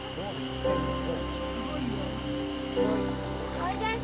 ・おいで！